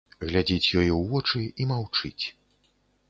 Глядзіць ёй у вочы і маўчыць.